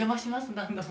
何度も。